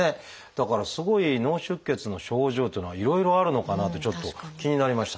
だからすごい脳出血の症状っていうのはいろいろあるのかなってちょっと気になりましたね。